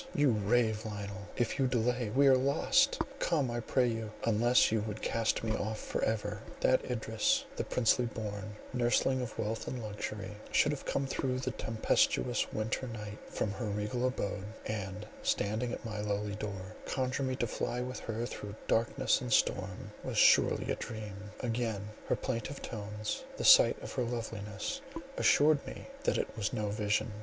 you rave, Lionel! If you delay we are lost; come, I pray you, unless you would cast me off for ever." That Idris, the princely born, nursling of wealth and luxury, should have come through the tempestuous winter night from her regal abode, and standing at my lowly door, conjure me to fly with her through darkness and storm—was surely a dream—again her plaintive tones, the sight of her loveliness assured me that it was no vision.